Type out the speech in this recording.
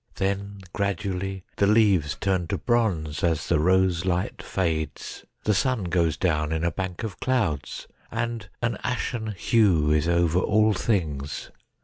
Then gradually the leaves turn to bronze as the rose light fades. The sun goes down in a bank of clouds, and an ashen hue is over all things.